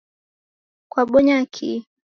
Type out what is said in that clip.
Kwabonya kii?